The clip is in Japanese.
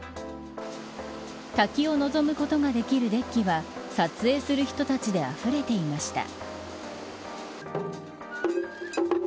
滝を望むことができるデッキは撮影する人たちであふれていました。